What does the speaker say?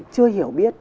chưa hiểu biết